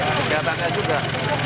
tidak banyak juga